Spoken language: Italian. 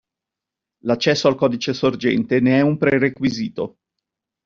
L'accesso al codice sorgente ne è un prerequisito.